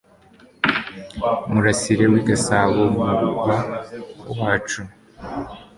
murasire w'igasabo mu murwa wacu